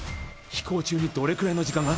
飛行中にどれくらいの時間が？